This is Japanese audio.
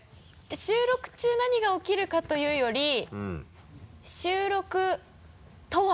収録中何がおきるかというより収録とは？